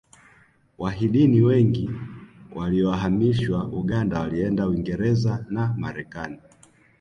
wahidni nwengi waliyohamishwa uganda walienda uingerez na marekani